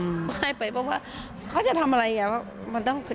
ไม่ได้ไปเพราะว่าเขาจะทำอะไรอย่างนี้